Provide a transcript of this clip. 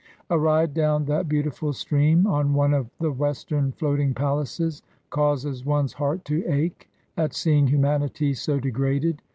A ride down that beautiful stream on one of the western floating palaces, causes one's heart to ache at seeing humanity so degraded.